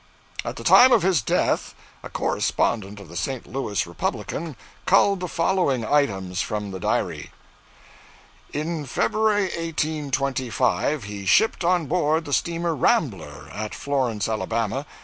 At the time of his death a correspondent of the 'St. Louis Republican' culled the following items from the diary 'In February, 1825, he shipped on board the steamer "Rambler," at Florence, Ala.